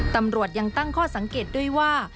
ตำรวจยังตั้งข้อสังเกตด้วยว่า